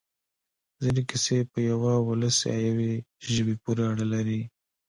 ځینې کیسې په یوه ولس یا یوې ژبې پورې اړه لري.